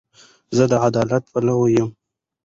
زه د عدالت پلوی یم.